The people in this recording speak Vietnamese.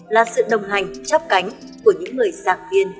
là sự đồng hành chắp cánh của những người sạc viên